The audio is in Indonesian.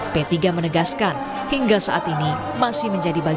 p tiga menegaskan hingga saat ini masih menjadi bagian